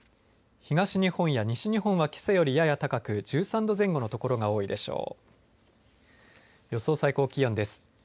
東日本や西日本はけさよりやや高く１３度前後の所が多いでしょう。